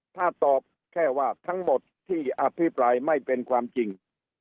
ถ้าตอบแค่ว่าทั้งหมดที่อภิปรายไม่เป็นความจริง